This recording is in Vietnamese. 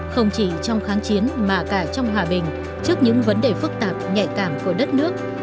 không chỉ trong kháng chiến mà cả trong hòa bình trước những vấn đề phức tạp nhạy cảm của đất nước